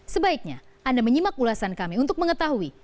sebaiknya anda menyimak ulasan kami untuk mengetahui